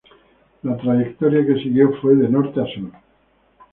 La trayectoria que siguió fue de norte a sur.